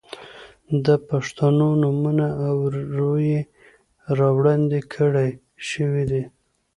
د پښتنو نومونه او روئيې را وړاندې کړے شوې دي.